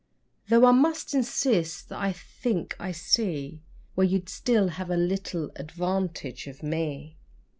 (Though I must insist that I think I see Where you'd still have a little advantage of me!)